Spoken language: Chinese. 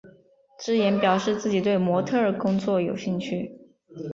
芝妍表示自己对模特儿工作有兴趣。